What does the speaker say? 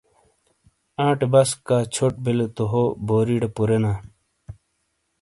آٹے بسکا چھوٹ بِیلے تو ہو بوری ڑے پُورینا۔